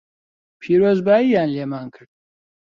پیرۆزبایییان لێمان کرد